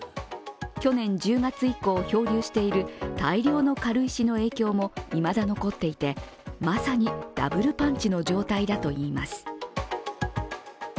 去年１０月以降漂流している大量の軽石の影響もいまだ残っていて、まさにダブルパンチの状態だといいます。